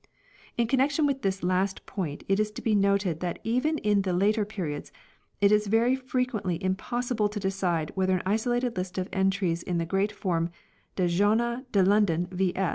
In connection with this last point it is to be noted that even in later periods it is very frequently impos sible to decide whether an isolated list of entries in the form "De Johanne de London v.